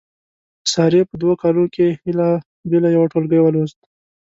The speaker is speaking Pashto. سارې په دوه کالونو کې هیله بیله یو ټولګی ولوست.